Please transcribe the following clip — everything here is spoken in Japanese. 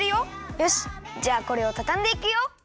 よしじゃあこれをたたんでいくよ。